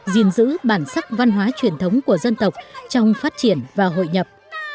gìn giữ bản sắc văn hóa truyền thống của dân tộc trong phát triển và hội nhập